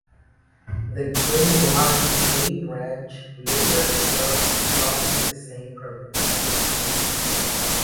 The Green Line "A" Branch later served roughly the same purpose.